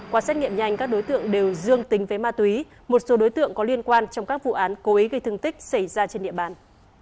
qua xét nghiệm nhanh các đối tượng đều dương tính với ma túy một số đối tượng có liên quan trong các vụ án cố ý gây thương tích xảy ra trên địa bàn